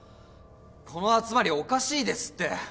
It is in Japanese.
この集まりおかしいですって。